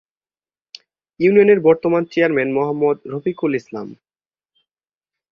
ইউনিয়নের বর্তমান চেয়ারম্যান মোহাম্মদ রফিকুল ইসলাম।